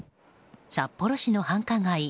札幌市の繁華街